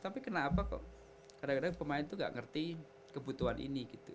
tapi kenapa kok kadang kadang pemain tuh gak ngerti kebutuhan ini gitu